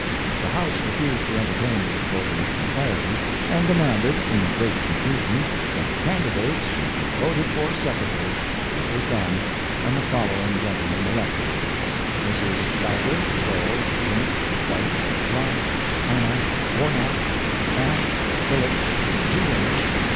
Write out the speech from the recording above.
The house refused to entertain the report in its entirety, and demanded, in great confusion, that the candidates should be voted for separately, which was done, and the following gentlemen elected: Messrs. Geiger, Dohle, Lynch, White, Black, Hannah, Warnock, Ash, Phillips, G. H.